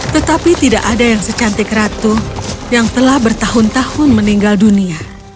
tetapi tidak ada yang secantik ratu yang telah bertahun tahun meninggal dunia